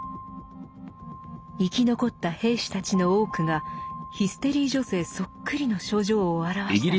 生き残った兵士たちの多くがヒステリー女性そっくりの症状を現したのです。